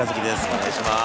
お願いします。